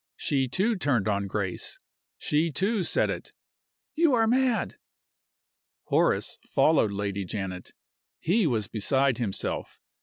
She, too, turned on Grace. She, too, said it: "You are mad!" Horace followed Lady Janet. He was beside himself.